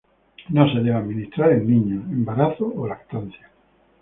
No se debe administrar en niños, embarazo o lactancia.